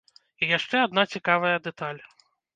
І яшчэ адна цікавая дэталь.